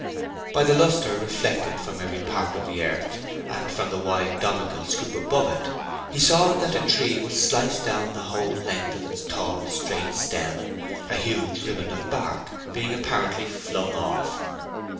By the lustre reflected from every part of the earth and from the wide domical scoop above it, he saw that the tree was sliced down the whole length of its tall, straight stem, a huge riband of bark being apparently flung off.